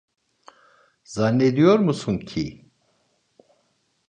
Zannediyor musun ki.